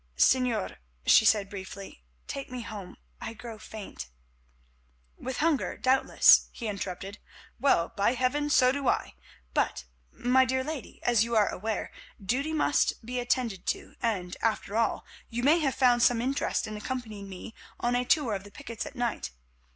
"Señor," she said briefly, "take me home; I grow faint." "With hunger doubtless," he interrupted; "well, by heaven! so do I. But, my dear lady, as you are aware, duty must be attended to, and, after all, you may have found some interest in accompanying me on a tour of the pickets at night.